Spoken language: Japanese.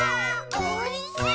おいしい？